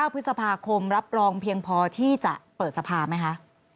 พฤษภาคมรับรองเพียงพอที่จะเปิดสภาไหมคะ